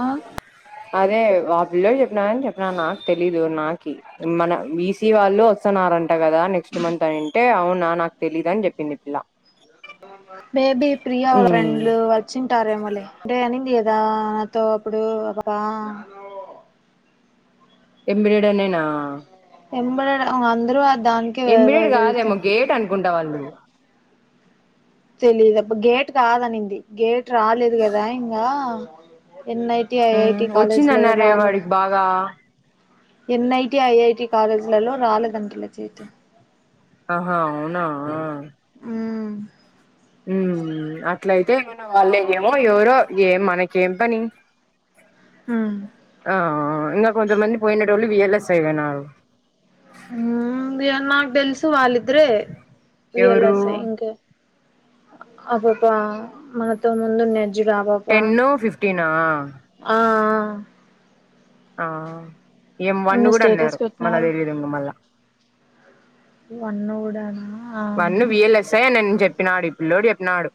ఆ అదే వా పిల్ల్లో చెప్పిన కాని చెప్పిన నాకు తెలీదు నాకు మన బీసీ వాళ్ళు వస్తున్నారంట కదా నెక్స్ట్ మంత్ అనింటే అవునా నాకు తెలీదు అని చెప్పింది పిల్ల బేబీ ప్రియా వాళ్ళ రెండ్లు వచ్చింటారేమోలే అంటే అనింది కదా నాతో అప్పుడు ఒకబ ఎంబిడనేనా ఎబడ అందరూ దానికే ఇమ్మీడియట్ వెళ్తా కాదేమో గేట్ అనుకుంటా వాళ్ళు నువ్వు తెలీదుతబ్బ గేట్ కాదనింది గేట్ రాలేదు కదా ఇంకా ఎన్ ఐటి ఐఐటి కాలేజ్లలో వచ్చిందన్నారే రాలే వాడికి బాగా ఎన్ఐటి ఐఐటి కాాలేజ్లలో రాలేదు తనకి [unintelligible] ఆహా అవునా ఉమ్ ఉహూ అట్లయితే వాళ్ళ ఏమో ఎవరో ఏం మనకేం పని ఉమ్ ఆ ఇంకా కొంతమంది పోయినోళ్ళు విఎల్ఎస్ అయిన్నారు హూ నాంగ్ తెల్సు వాళద్రే ఎవరు వియల్స ఇికా అబప్ప మనతో ముందున్నది జిరావవా టెన్ ఫిఫ్టీనా ఆ ఆ ఏం వన్ను నిన్న కూడా స్టేటస్ అన్నరు మళ్ళా పెట్టినారు తెలియదింగా మళ్ళా. వన్ను కూడానా ఆ వన్ను విఎల్ఎస్ఐ అని నేను చెప్పినాడు ఈ పిల్లోడు చెప్పినాడు.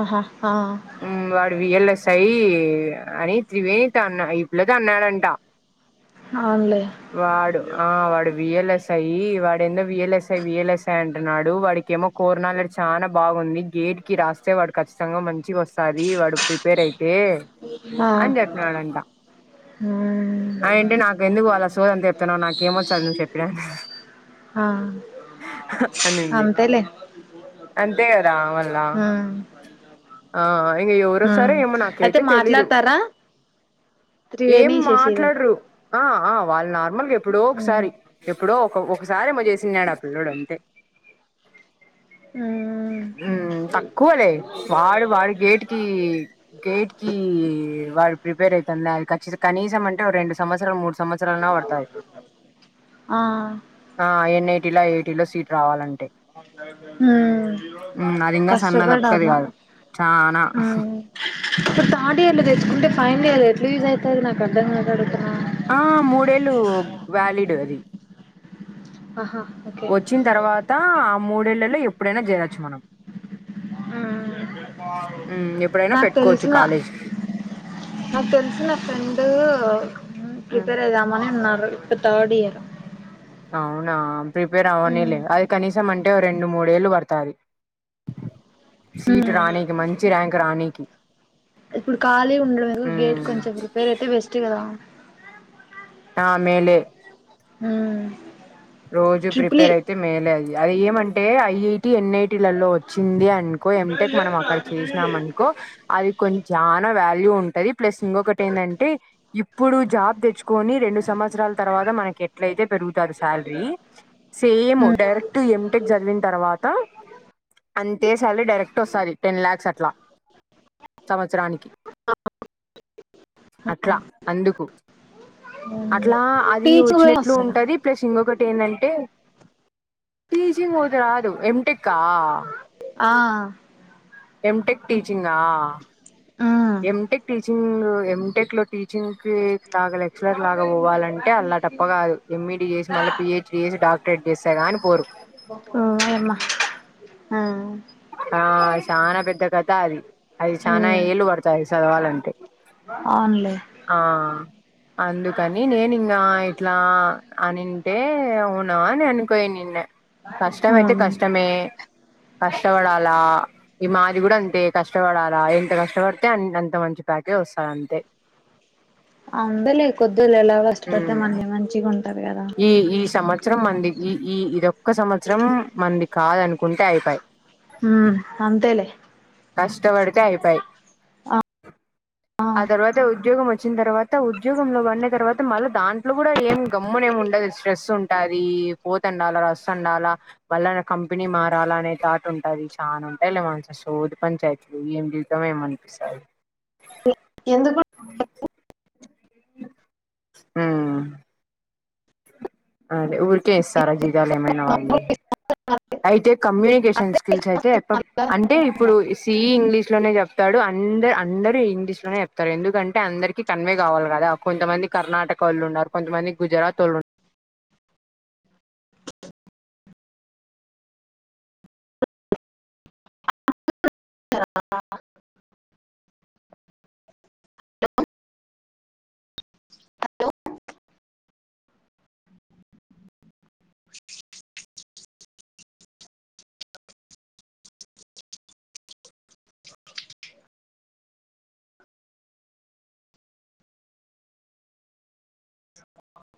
ఆహా ఆ చేయ్ అని త్రివేణితో అన్నా ఈ పిల్లతో అన్నాడంటా. అవునులే వాడు ఆ వాడు విఎల్ఎస్ఐ. ఈ వాడేందో విఎల్ఎస్ఐ విఎల్ఎస్ ఐ అంటున్నాడు. వాడికేమో కోర్ నాలెడ్జ్ చానా బాగుంది. గేట్ కి రాస్తే వాడు ఖచ్చితంగా మంచిగా వస్ స్తాది వాడు ప్రిపేర్ అయితే ఆ అని చెప్పినాడంటా. మ్మ్ ఆఎంటి నాకు ఎందుకు వాళ్ళ సోది అంతా చెప్తున్నావు నాకు ఏమొచ్చని నువ్వు చెప్పినా ఆ అనింది అంతేలే అంతే కదరా మళ్ళా ఆ ఇంగ ఎవరోస్తారో హ్మ్ ఏమో అయితే నాకైతే తెలీదు మాట్లాడతరా ఏం మాట్లాడరు. ఆ ఆ వాళ్ళు నార్మల్గా ఎప్పుడో మ్మ్ ఒకసారి, ఎప్పుడో ఒక ఒకసారి ఏమో చేసినాడు ఆ పిల్లోడు అంతే ఉ తక్కువలే వాడు వాడి గేట్కి గేట్ కి కివాడు ప్రిపేర్ అయితండ్లే అది ఖచ్చిత కనీసం అంటే రెండు సంవత్సరాలు మూడు సంవత్సరాలు అన్నా పడతాది ఆ ఆ ఎన్ ఐటీలా ఐఐటీల సీట్ రావాలం హ్మ్ మ్ అది ఇంగా సన్న దప్పకది కష్టపడలా. కాదు చానా ఇప్పుడు థర్డ్ ఇయర్లో తెచ్చుకుంటే ఫైనల్ ఇయర్లో ఎట్ల యూస్అయితది నాకు అర్ధంకాక అడుగుతున్నా. ఆ మూడేళ్ళు వ్యాలిడ్ అది. ఆహా ఓకే వచ్చిన తర్వాత ఆ మూడేళ్లలో ఎప్పుడైనా చేయొచ్చు మనం. మ్మ్ హ్మ్ ఎప్పుడైనా నాకు పెట్టుకోవచ్చు తెలిసిన కాలేజీకి. నాకు తెలిసిన ఫ్రెండ్ హ్మ్ ప్రిపేర్ అయిదామని అన్నారు. ఇప్పుడు థార్డ్ ఇయరు. అవునా ప్రిపేర్ అవ్వనియ్లే. అది కనీసం అంటే రెండు మూడేళ్ళు పడు తాది సీట్ రానికి, మంచి ర్యాంక్ రానికి. ఇప్పుడు ఖాళీగా ఉండడం ఎందుకు గేట్ హ్మ్ కొంచెం ఇప్పుడు ప్రిపేర్ అయితే బెస్ట్ కదా. ఆ మేలే హ్మ్ రోజు ప్రిపేర్ అయితే మేలే అయి. అయి ఏమంటే ఐఐటి, ఎన్ఐటీలలో వచ్చింది అ నుకో యమ్ టెక్ మనం అక్కడ చేశినాం అనుకో అది కొంచజా నవాల్యూ ఉంటది. ప్లస్ ఇంగొకటి ఏంటంటే ఇప్పుడు జాబ్ తెచ్చుకొని రెండు సంవత్సరాల తర్వా మనకేట్లయితే దొరుకుతా సాల్రీ సేమ్ డైరెక్ట్ ఎంటెక్ చదివిన తర్వాత అంతే సాలరీ డైరెక్ట్ వస్తాది టెన్ ల్యాక్స్ అ ట్లా సంవత్సరానికి అట్లా అందుకు. అట్లా అది టీచింగ్ పోయి వచ్చినట్లు వస్తారా ఉంటది. ప్లస్ ఇంకొకటి ఎందంటే టీచింగ్ ఒకటి రాదు ఎంటెక్ ఆ ఆ ఎంటెక్ టీచింగా ఎంటెక్ టీచింగ్ ఎంటెక్లో టీచింగ్ కి లాగాలే లెక్చలర్ లాగా పోవాలంటే అలా టప్పా కాదు ఎంఈడీ చేసి మళ్ళీ పిహెచ్డి చేసి డాక్టరేట్ చేస్తే కానీ పోరు ఆ ఆ ఆ చానా పెద్ద కథ అది అది చానా ఏలు పడతాయి చదవాలంటే అవునులే ఆ అందుకని నేని ఇంగ ఇట్లా అనింటే అవునా అని అనుకోయి నిన్న కష్టం అయితే కష్టమే కష్ కష్టపడాలా ఈ మాది కూడా అంతే కష్టపడాలా ఎంత కష్టపడితే అంత మంచి ప్యాకేజీ మంచి వస్త అంతే అందేలే కొద్దిగా ఎలా కష్టపడితే ఉమ్ మళ్ళీ మంచిగా ఉంటది కదా ఈ ఈ సంవత్సరం మంది ఈ ఈ ఇదొక్క సంవత్సరం మంది కాదనుకుంటే అయిపయ్ హు అంతేలే ఆ తర్వాత ఉద్యోగం వ వచ్చిన తర్వాత ఉద్యోగంలో పడిన తర్వాత మల్ల దాంట్లో కూడా ఏం గమ్మునేం ఉండదు స్ట్రెస్ ఉంటాది ఈ పోతండాల రస్ అండాలా వల్ల కంపెనీ మారాలా అనే తాటు ఉం అది చానా ఉంటాయి లే మానస సోది పంచాయతీలు ఏం జీవితమో ఎమో అనిపిస్తది ఎందుకు ఊ అంటే ఊరికే ఇస్తారా జీతాలు ఏమైనా వాళ్లు అయితే కమ్యూనికేషన్ స్కిల్స్ అయితే అంటే ఇప్పుడు సి ఇంగ్లీష్ ఇంగ్లీష్ లోనే చెప్తాడు అందరు అందరు ఇంగ్లీష్ లోనే చెప్తారు ఎందుకంటే అందరికి కన్వే కావాలి కదా కొంతమంది కర్ణాటక వొళ్ళు ఉన్నారు కొంతమంది గుజరాత్ వొళ్ళు ఉన్ ఆ [unintelligible] [inaudible]